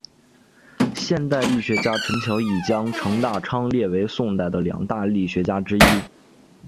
现代郦学家陈桥驿将程大昌列为宋代的两大郦学家之一。